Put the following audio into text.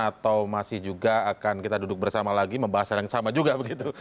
atau masih juga akan kita duduk bersama lagi membahas hal yang sama juga begitu